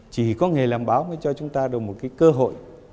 chỉ có người làm báo mới cho chúng ta được một cơ hội